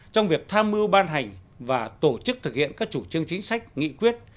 trong việc tham mưu ban hành và tổ chức thực hiện các chủ trương chính sách nghị quyết